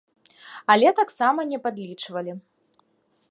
Але таксама не падлічвалі.